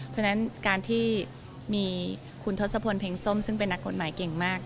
เพราะฉะนั้นการที่มีคุณทศพลเพ็งส้มซึ่งเป็นนักกฎหมายเก่งมาก